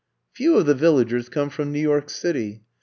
Few of the Villagers come from New York City.